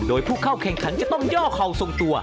โดยผู้เข้าแข่งขันจะต้องย่อเข่าทรงตัว